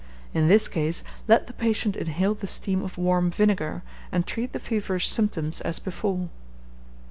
In this case let the patient inhale the steam of warm vinegar, and treat the feverish symptoms as before.